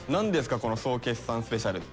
この「総決算スペシャル」って。